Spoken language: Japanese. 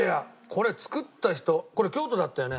これ作った人これ京都だったよね？